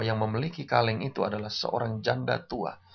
yang memiliki kaleng itu adalah seorang janda tua